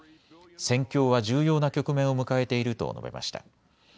戦況は重要な局面を迎えていると述べました。